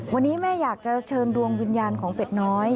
วันนี้แม่อยากจะเชิญดวงวิญญาณของเป็ดน้อย